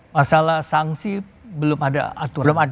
masalah sanksi belum ada aturan